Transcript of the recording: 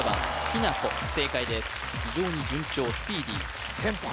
非常に順調スピーディーテンポ